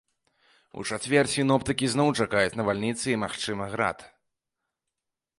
У чацвер сіноптыкі зноў чакаюць навальніцы і, магчыма, град.